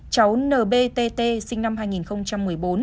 cháu nbtt sinh năm hai nghìn một mươi bốn